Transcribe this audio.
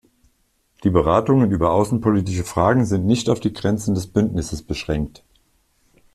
Die Beratungen über außenpolitische Fragen sind nicht auf die Grenzen des Bündnisses beschränkt.